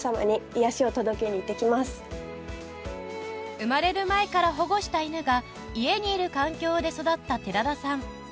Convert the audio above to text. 生まれる前から保護した犬が家にいる環境で育った寺田さん